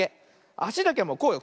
あしだけはこうよ。